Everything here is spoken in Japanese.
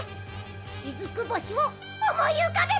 しずく星をおもいうかべて！